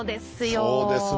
そうですね